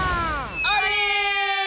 あれ！